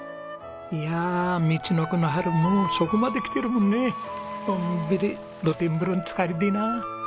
いやみちのくの春もうそこまで来てるもんね。のんびり露天風呂につかりでえなあ。